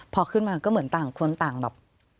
พอขึ้นมาก็เหมือนต่างคนต่างแบบ